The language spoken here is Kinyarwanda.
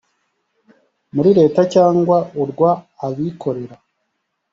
muri leta cyangwa urw abikorera